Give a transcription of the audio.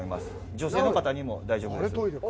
女性の方にも大丈夫です。